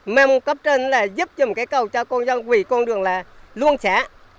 mong cấp trên là giúp giùm cái cầu cho con dân vì con đường là luôn sẽ